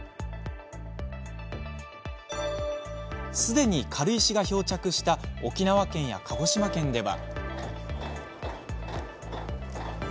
すでに軽石が漂着した沖縄県や鹿児島県では。